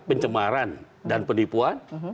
pencemaran dan penipuan